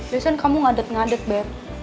biasanya kamu ngadet ngadet deh